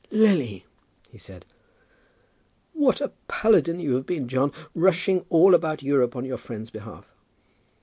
"Lily!" he said. "What a paladin you have been, John, rushing all about Europe on your friend's behalf!"